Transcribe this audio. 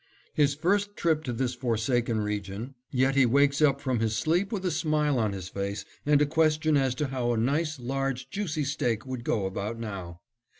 His first trip to this forsaken region, yet he wakes up from his sleep with a smile on his face and a question as to how a nice, large, juicy steak would go about now.